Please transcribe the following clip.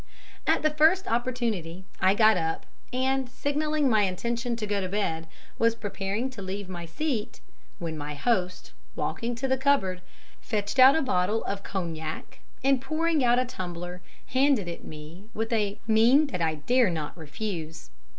"At the first opportunity I got up, and signalling my intention to go to bed, was preparing to leave my seat, when my host, walking to a cupboard, fetched out a bottle of cognac, and pouring out a tumbler, handed it me with a mien that I dare not refuse.